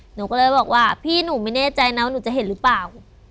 หนูก็เลยบอกว่าพี่หนูไม่แน่ใจนะว่าหนูจะเห็นหรือเปล่า